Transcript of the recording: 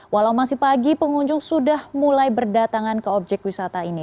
walau masih pagi pengunjung sudah mulai berdatangan ke objek wisata ini